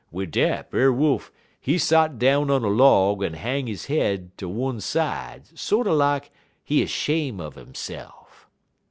"Wid dat Brer Wolf, he sot down on a log, en hang he head ter one side, sorter lak he 'shame' er hisse'f.